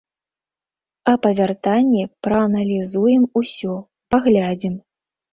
А па вяртанні прааналізуем усё, паглядзім.